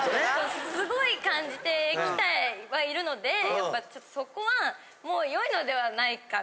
すごい感じてきてはいるのでやっぱちょっとそこは。よいのではないか。